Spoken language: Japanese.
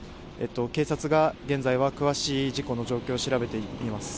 警察が現在は詳しい事故の状況を調べています。